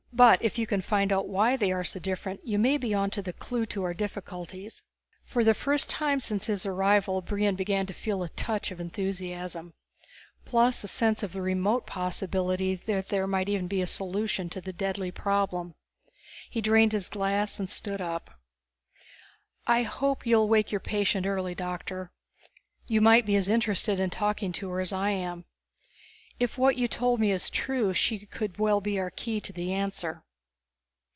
But if you can find out why they are so different you may be onto the clue to our difficulties." For the first time since his arrival Brion began to feel a touch of enthusiasm. Plus a sense of the remote possibility that there might even be a solution to the deadly problem. He drained his glass and stood up. "I hope you'll wake your patient early, Doctor. You might be as interested in talking to her as I am. If what you told me is true, she could well be our key to the answer.